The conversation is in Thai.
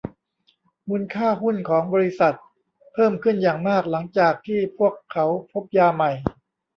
มูลค่าหุ้นของ บริษัท เพิ่มขึ้นอย่างมากหลังจากที่พวกเขาพบยาใหม่